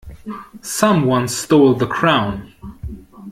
Someone stole the crown!